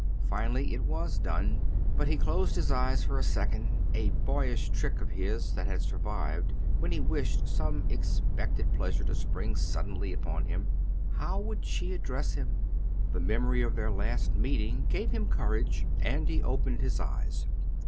Finally it was done, but he closed his eyes for a second, a boyish trick of his that had survived when he wished some expected pleasure to spring suddenly upon him. How would she address him? The memory of their last meeting gave him courage, and he opened his eyes.